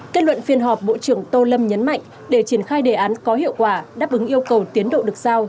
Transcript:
kết luận phiên họp bộ trưởng tô lâm nhấn mạnh để triển khai đề án có hiệu quả đáp ứng yêu cầu tiến độ được giao